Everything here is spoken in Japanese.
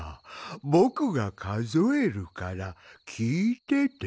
ぼくがかぞえるからきいてて。